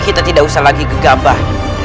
kita tidak usah lagi gegabah